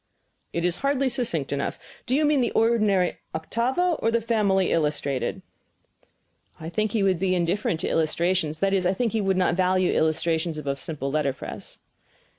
"It is hardly succinct enough. Do you mean the ordinary octavo, or the family illustrated?" "I think he would be indifferent to illustrations that is, I think he would not value illustrations above simple letterpress."